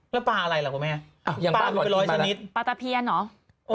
แล้วปลาอะไรล่ะคุณแม่ปลาอยู่เป็นร้อยชนิดปลาตะเพียนเหรอ